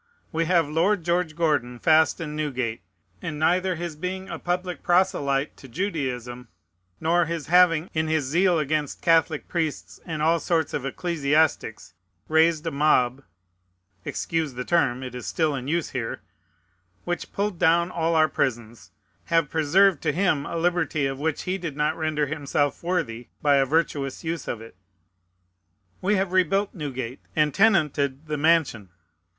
We have Lord George Gordon fast in Newgate; and neither his being a public proselyte to Judaism, nor his having, in his zeal against Catholic priests and all sorts of ecclesiastics, raised a mob (excuse the term, it is still in use here) which pulled down all our prisons, have preserved to him a liberty of which he did not render himself worthy by a virtuous use of it. We have rebuilt Newgate, and tenanted the mansion.